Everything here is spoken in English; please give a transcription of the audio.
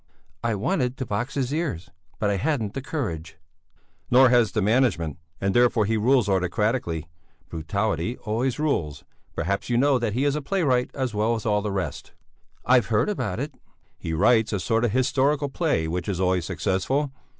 "I wanted to box his ears, but I hadn't the courage." "Nor has the management, and therefore he rules autocratically brutality always rules! Perhaps you know that he is a playwright as well as all the rest?" "I've heard about it." "He writes a sort of historical play which is always successful.